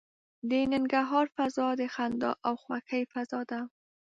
د ننګرهار فضا د خندا او خوښۍ فضا ده.